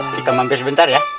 kita mampir sebentar ya